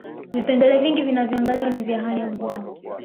vipengele vingi vinavyoangaliwa ni vya hali ya mvua